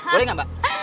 boleh gak mbak